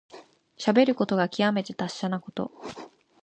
しゃべることがきわめて達者なこと。